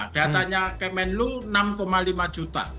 datanya kemenlu enam lima juta